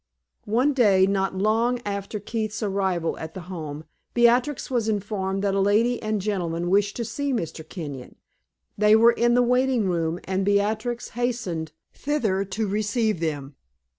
One day, not long after Keith's arrival at the Home, Beatrix was informed that a lady and gentleman wished to see Mr. Kenyon. They were in the waiting room, and Beatrix hastened thither to receive them.